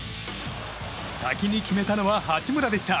先に決めたのは八村でした。